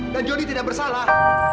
dan jody tidak bersalah